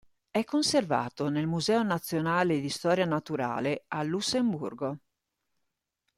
È conservato nel Museo nazionale di storia naturale a Lussemburgo.